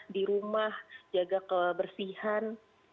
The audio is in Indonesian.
di rumah jaga kebersihan